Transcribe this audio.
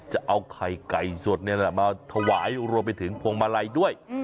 จะเอาไข่ไก่สดมาถวายรวมไปถึงพวงมาลัยด้วย